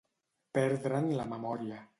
Perdre'n la memòria.